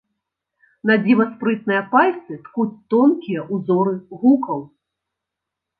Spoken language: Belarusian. Надзіва спрытныя пальцы ткуць тонкія ўзоры гукаў.